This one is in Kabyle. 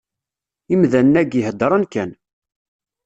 Imdanen-agi, heddren kan.